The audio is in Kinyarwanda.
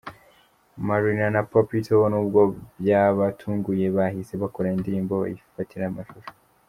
Marina na Papito nubwo byabatunguye bahise bakorana indirimbo bayifatira amashusho.